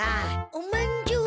・おまんじゅう。